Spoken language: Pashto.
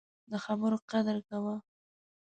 د خبرو قدر کوه